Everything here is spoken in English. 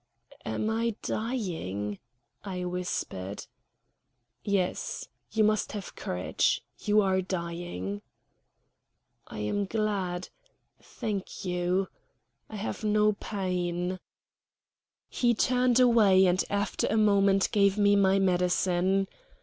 "Am I dying?" I whispered. "Yes. You must have courage. You are dying." "I am glad. Thank you. I have no pain." He turned away, and after a moment gave me my medicine.